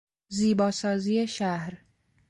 زیبا سازی شهر